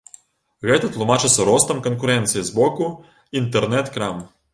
Гэта тлумачыцца ростам канкурэнцыі з бокуінтэрнэт-крам.